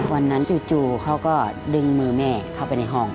จู่เขาก็ดึงมือแม่เข้าไปในห้อง